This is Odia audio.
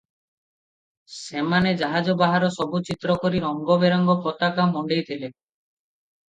ସେମାନେ ଜାହାଜ ବାହାର ସବୁ ଚିତ୍ର କରି ରଙ୍ଗ ବେରଙ୍ଗ ପତାକା ମଣ୍ଡେଇଥିଲେ ।